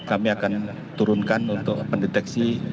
kami akan turunkan untuk mendeteksi